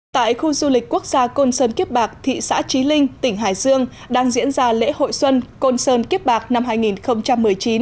tại khu du lịch quốc gia côn sơn kiếp bạc thị xã trí linh tỉnh hải dương đang diễn ra lễ hội xuân côn sơn kiếp bạc năm hai nghìn một mươi chín